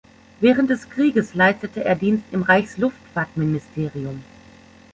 Während des Krieges leistete er Dienst im Reichsluftfahrtministerium.